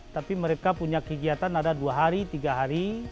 tapi mereka punya kegiatan ada dua hari tiga hari